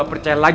aku akan menang